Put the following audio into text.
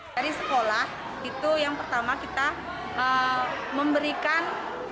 dari sekolah itu yang pertama kita memberikan